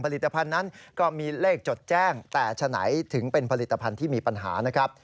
ผลิตภัณฑ์นั้นก็มีเลขจดแจ้งแต่ฉะไหนถึงเป็นผลิตภัณฑ์ที่มีปัญหานะครับ